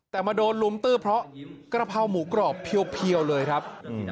แต่มาโดนลุมตื้อเพราะกระเพราหมูกรอบเพียวเลยครับ